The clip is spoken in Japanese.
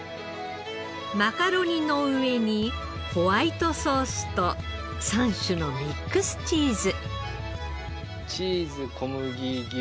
マカロニの上にホワイトソースと３種のミックスチーズ。